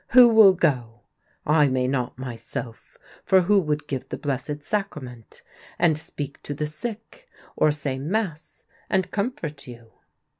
Who will go? I may not myself, for who would give the Blessed Sac rament, and speak to the sick, or say Mass and com fort you